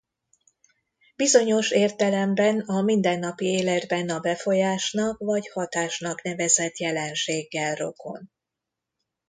Bizonyos értelemben a mindennapi életben a befolyásnak vagy hatásnak nevezett jelenséggel rokon.